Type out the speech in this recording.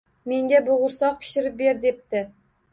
— Menga bo’g’irsoq pishirib ber, — debdi